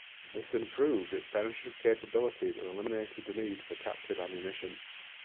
This improved its penetrative capabilities and eliminated the need for captured ammunition.